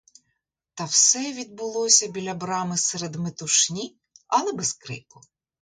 Те все відбулося біля брами серед метушні, але без крику.